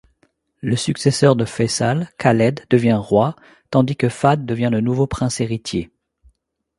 Le successeur de Fayçal, Khaled devient roi, tandis que Fahd devient le nouveau prince-héritier.